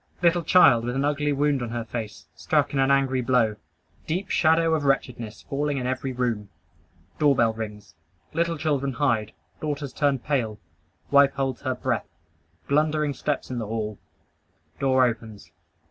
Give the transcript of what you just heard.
Little child with an ugly wound on her face, struck in an angry blow. Deep shadow of wretchedness falling in every room. Doorbell rings. Little children hide. Daughters turn pale. Wife holds her breath. Blundering steps in the hall. Door opens.